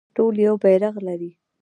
ټول یو بیرغ لري